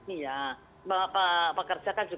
iya pekerja kan